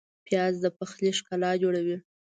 پیاز د پخلي ښکلا جوړوي